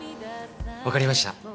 分かりました。